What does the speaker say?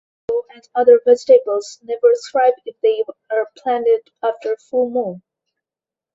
Taro and other vegetables never thrive if they are planted after full moon.